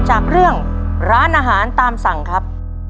จากเรื่องร้านอาหารตามสั่งครับ